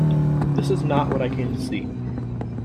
This is not what I came to see.